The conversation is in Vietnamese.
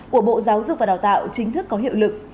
của bộ giáo dục và đào tạo chính thức có hiệu lực